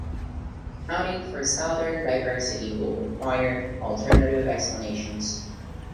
Accounting for southern diversity will require alternative explanations.